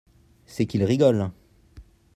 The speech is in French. C'est qu'il rigole.